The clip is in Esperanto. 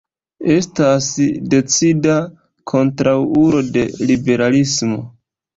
Estas decida kontraŭulo de liberalismo.